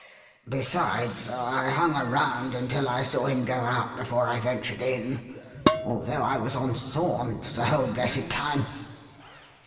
"Besides, I hung around until I saw him go out before I ventured in; although I was on thorns the whole blessed time.